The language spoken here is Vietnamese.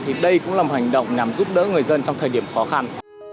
thì đây cũng là một hành động nhằm giúp đỡ người dân trong thời điểm khó khăn